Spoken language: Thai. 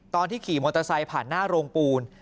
ขี่มอเตอร์ไซค์ผ่านหน้าโรงปูน